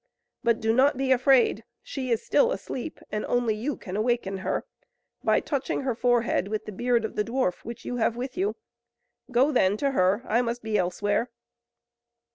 But do not be afraid; she is still asleep, and only you can awaken her, by touching her forehead with the beard of the dwarf, which you have with you. Go then to her; I must be elsewhere."